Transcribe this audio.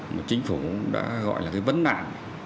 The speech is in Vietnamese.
mà chính phủ đã gọi là cái vấn đạn